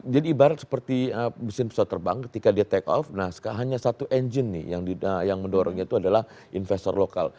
jadi ibarat seperti mesin pesawat terbang ketika dia take off nah hanya satu engine nih yang mendorongnya itu adalah investor lokal